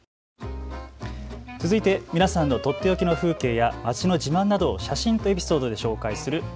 続いて皆さんのとっておきの風景や街の自慢などを写真とエピソードで紹介する＃